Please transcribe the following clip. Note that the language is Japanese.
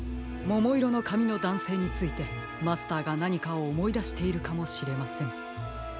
ももいろのかみのだんせいについてマスターがなにかおもいだしているかもしれません。